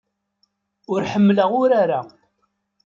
Ur ḥemmleɣ urar-a.